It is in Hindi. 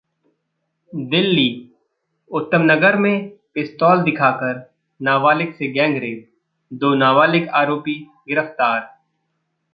दिल्ली: उत्तमनगर में पिस्तौल दिखाकर नाबालिग से गैंगरेप, दो नाबालिग आरोपी गिरफ्तार